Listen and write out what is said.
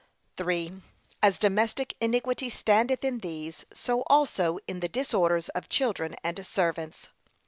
3. As domestic iniquity standeth in these, so also in the disorders of children and servants.